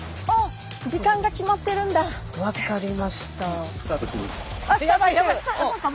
分かりました。